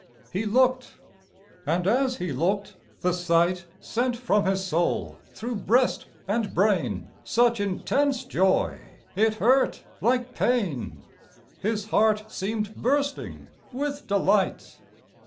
He looked. And as he looked, the sight Sent from his soul through breast and brain Such intense joy, it hurt like pain. His heart seemed bursting with delight.